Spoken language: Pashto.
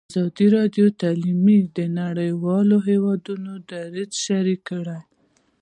ازادي راډیو د تعلیم د نړیوالو نهادونو دریځ شریک کړی.